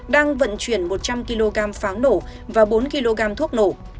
đang vận chuyển một trăm linh kg pháo nổ và bốn kg thuốc nổ